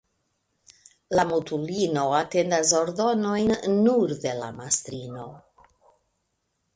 La mutulino atendas ordonojn nur de la mastrino.